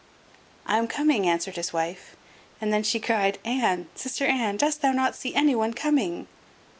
"I am coming," answered his wife; and then she cried, "Anne, sister Anne, dost thou not see anyone coming?"